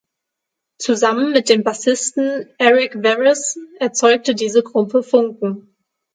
Zusammen mit dem Bassisten Eric Revis erzeuge diese Gruppe Funken.